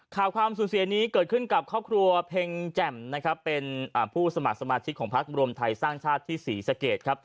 ความสูญเสียนี้เกิดขึ้นกับครอบครัวเพ็งแจ่มนะครับเป็นผู้สมัครสมาชิกของพักรวมไทยสร้างชาติที่ศรีสะเกดครับ